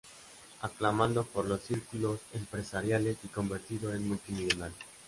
Aclamado por los círculos empresariales y convertido en multimillonario.